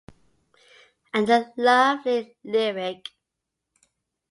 And a lovely lyric.